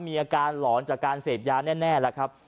มีอาการหลอนจากการเสพยานแน่นะครับ